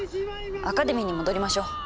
アカデミーに戻りましょう。